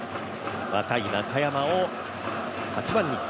若い中山を８番に。